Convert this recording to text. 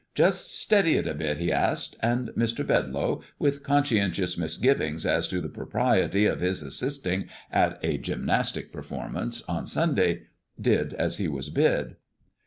"Just steady it a bit," he asked; and Mr. Bedlow, with conscientious misgivings as to the propriety of his assisting at a gymnastic performance on Sunday, did as he was bid.